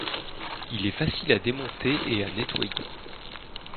Il est facile à démonter et à nettoyer.